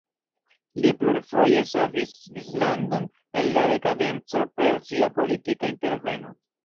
Li plurfoje savis Svislandon el la dekadenco per sia politika interveno.